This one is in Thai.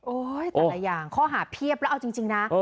แต่ละอย่างข้อหาเพียบแล้วเอาจริงนะ